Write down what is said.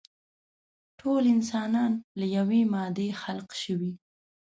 ټول انسانان له يوې مادې خلق شوي.